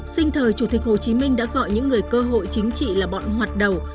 sinh thời chủ tịch hồ chí minh đã gọi những người cơ hội chính trị là bọn hoạt đầu